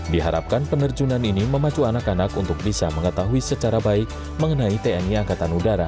diharapkan penerjunan ini memacu anak anak untuk bisa mengetahui secara baik mengenai tni angkatan udara